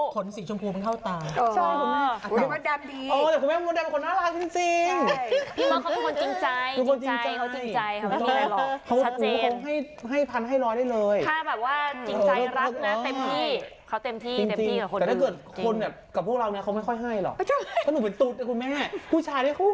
ข้าหนูเป็นตูดเนี่ยคุณแม่ผู้ชายได้ให้บ้านก็ให้